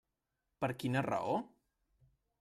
Per quina raó?